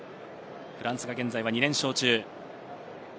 フランスが現在２連勝中。